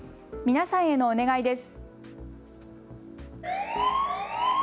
皆さんへのお願いです。